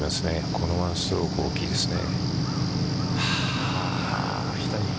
この１ストロークすごく大きいですね。